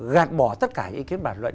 gạt bỏ tất cả những ý kiến bản luận